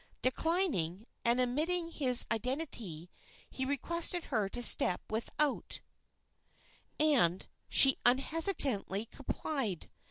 Declining, and admitting his identity, he requested her to step without, and she unhesitatingly complied.